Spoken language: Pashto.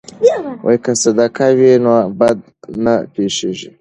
که صدقه وي نو بد نه پیښیږي.